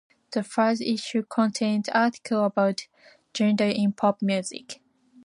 The first issue contained articles about gender in pop music.